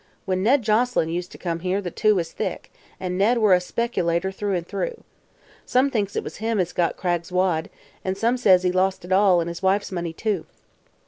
When Ned Joselyn used to come here the two was thick, an' Ned were a specilater through an' through. Some thinks it was him as got Cragg's wad, an' some says he lost it all, an' his wife's money, too.